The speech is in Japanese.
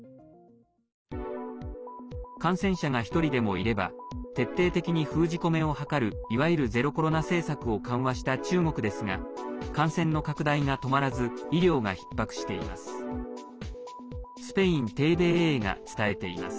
感染者が１人でもいれば徹底的に封じ込めを図るいわゆる、ゼロコロナ政策を緩和した中国ですが感染の拡大が止まらず医療がひっ迫しています。